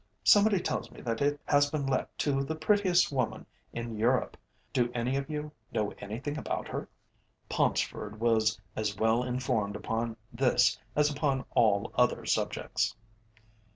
Somebody tells me that it has been let to the prettiest woman in Europe. Do any of you know anything about her?" Paunceford was as well informed upon this as upon all other subjects.